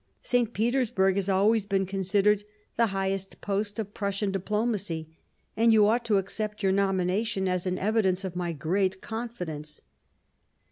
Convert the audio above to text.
St. Petersburg has always been considered the highest post of Prussian diplomacy, and you ought to accept your nomination as an evidence of my great confidence."